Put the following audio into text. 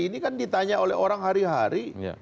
ini kan ditanya oleh orang hari hari